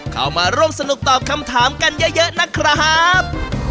เข้ามาร่วมสนุกตอบคำถามกันเยอะนะครับ